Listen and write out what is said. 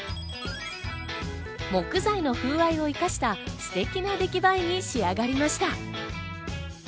木材の風合いを生かしたステキな出来栄えに仕上がりました。